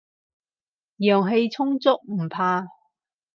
陽氣充足，唔怕